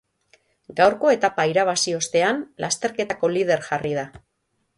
Gaurko etapa irabazi ostean, lasterketako lider jarri da.